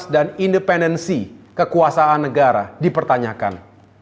dan kekuasaan negara dipertanyakan